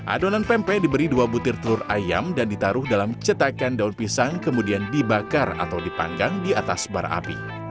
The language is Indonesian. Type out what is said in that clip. adonan pempek diberi dua butir telur ayam dan ditaruh dalam cetakan daun pisang kemudian dibakar atau dipanggang di atas bara api